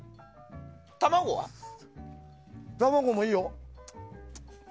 卵もいいよ。